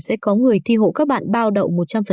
sẽ có người thi hộ các bạn bao đậu một trăm linh